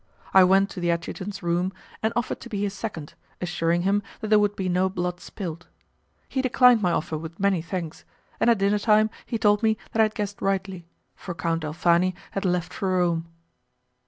I went to the adjutant's room and offered to be his second, assuring him that there would be no blood spilt. He declined my offer with many thanks, and at dinner time he told me that I had guessed rightly, for Count Alfani had left for Rome.